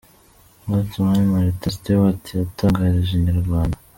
Uretse Mani Martin, Stewart yatangarije inyarwanda.